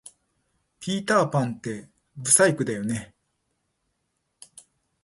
ピーターパンって不細工だよね